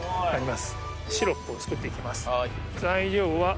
シロップを作って行きます材料は。